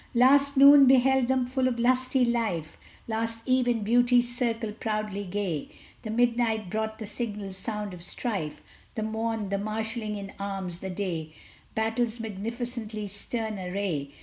Last noon beheld them full of lusty life, Last eve in Beauty's circle proudly gay, The midnight brought the signal sound of strife, The morn the marshaling in arms the day Battle's magnificently stern array!